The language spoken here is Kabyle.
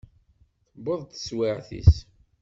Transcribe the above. Tewweḍ-d teswiɛt-is.